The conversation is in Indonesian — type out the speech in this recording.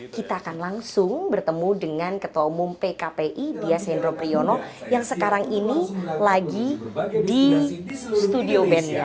kita akan langsung bertemu dengan ketua umum pkpi dias hendro priyono yang sekarang ini lagi di studio band nya